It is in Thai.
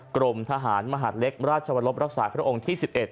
กรมทหารมหาดเล็กราชวรบรักษาพระองค์ที่๑๑